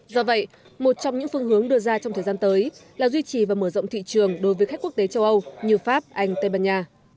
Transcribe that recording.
do vậy một trong những phương hướng đưa ra trong thời gian tới là duy trì và mở rộng thị trường đối với khách quốc tế châu âu như pháp anh tây ban nha